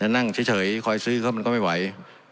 นั่งเฉยคอยซื้อเขามันก็ไม่ไหว